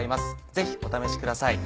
ぜひお試しください。